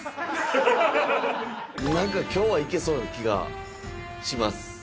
なんかきょうはいけそうな気がします。